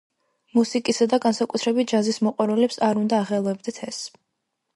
მუსიკისა და განსაკუთრებით ჯაზის მოყვარულებს არ უნდა აღელვებდეთ ეს.